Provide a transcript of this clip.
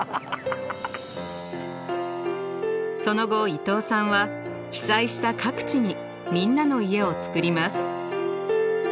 その後伊東さんは被災した各地にみんなの家を作ります。